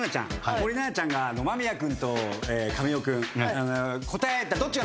森七菜ちゃんが間宮君と神尾君。